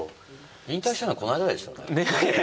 引退したのこの間ですよね。